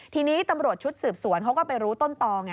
ทีนี้ตำรวจชุดสืบสวนเขาก็ไปรู้ต้นตอไง